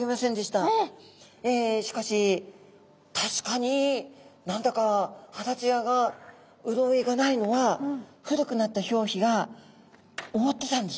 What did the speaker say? えしかし確かに何だか肌ツヤが潤いがないのは古くなった表皮が覆ってたんですね。